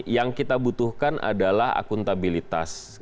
yang kita butuhkan adalah akuntabilitas